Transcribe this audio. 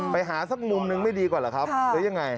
ไปหาสักมุมนึงไม่ดีกว่าเหรอครับหรือยังไง